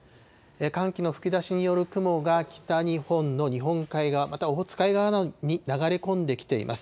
寒気の吹き出しによる雲が北日本の日本海側、またオホーツク海側などに流れ込んできています。